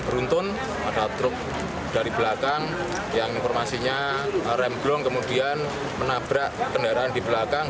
beruntun ada truk dari belakang yang informasinya remblong kemudian menabrak kendaraan di belakang